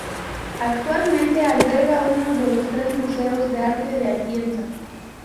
Actualmente, alberga uno de los tres museos de arte de Atienza.